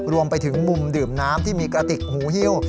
รวมไปถึงมุมดื่มน้ำที่มีกระติกหูฮิ้ว